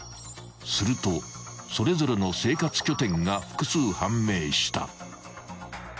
［するとそれぞれの生活拠点が複数判明した］